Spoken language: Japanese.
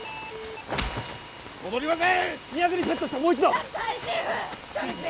戻りません！